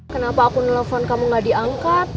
kenapa aku nelfon kamu gak diangkat